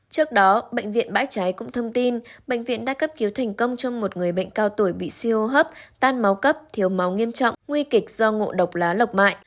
trước đó bệnh viện bãi cháy cũng thông tin bệnh viện đã cấp cứu thành công cho một người bệnh cao tuổi bị siêu hô hấp tan máu cấp thiếu máu nghiêm trọng nguy kịch do ngộ độc lá lọc mại